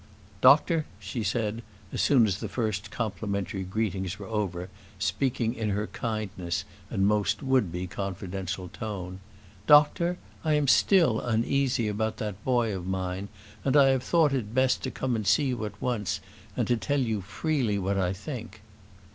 "Doctor," she said, as soon as the first complimentary greetings were over, speaking in her kindest and most would be confidential tone, "Doctor, I am still uneasy about that boy of mine, and I have thought it best to come and see you at once, and tell you freely what I think."